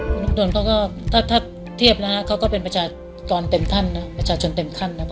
คุณตอนคุณโดนเทียบนะเขาก็เป็นประชาธิกรเต็มคั่นพอ